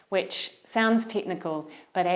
thực sự sẽ đảm bảo